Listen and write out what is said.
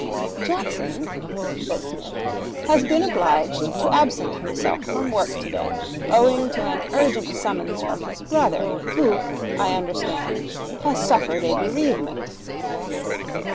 'Jackson,' said Psmith, 'has been obliged to absent himself from work today owing to an urgent summons from his brother, who, I understand, has suffered a bereavement.'